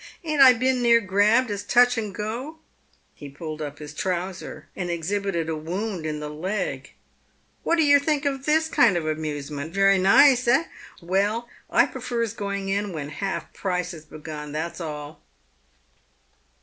Ain't I been near grabbed as touch and go ?" He pulled up his trouser, and exhibited a wound in the leg. " What do yer think of this kind of amusement ? Very nice, eh ? Well, I prefers going in when half price is begun — that's all